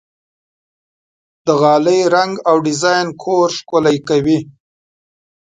د غالۍ رنګ او ډیزاین کور ښکلی کوي.